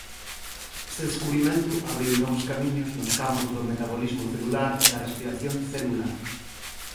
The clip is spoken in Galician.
Este descubrimento abriu novos camiños nos campos do metabolismo celular e da respiración celular.